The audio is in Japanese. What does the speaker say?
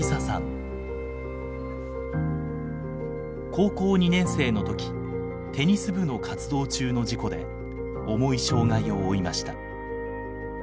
高校２年生の時テニス部の活動中の事故で重い障害を負いました。